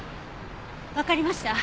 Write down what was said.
わかりました。